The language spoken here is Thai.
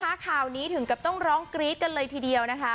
ข่าวนี้ถึงกับต้องร้องกรี๊ดกันเลยทีเดียวนะคะ